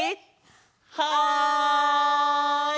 はい！